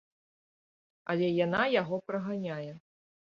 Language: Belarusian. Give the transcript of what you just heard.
Але яна яго праганяе.